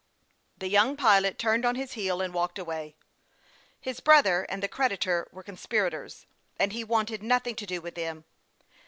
The young pilot turned on his heel and walked away. His brother and the creditor were conspira tors, and he wanted nothing to do with them.